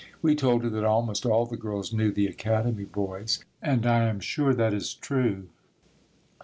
We told her that almost all the girls knew the Academy boys and I am sure that is true.